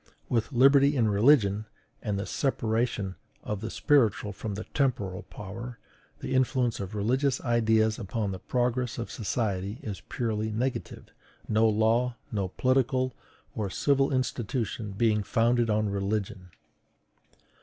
With liberty in religion, and the separation of the spiritual from the temporal power, the influence of religious ideas upon the progress of society is purely negative; no law, no political or civil institution being founded on religion.